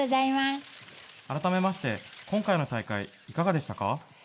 あらためまして今回の大会いかがでしたか？